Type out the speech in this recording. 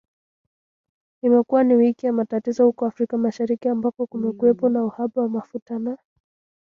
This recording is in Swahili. Imekuwa ni wiki ya matatizo huko Afrika Mashariki ambako kumekuwepo na uhaba wa mafuta na